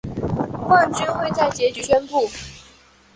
冠军会在结局宣布。